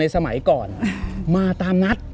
สมัยก่อนมาตามนัด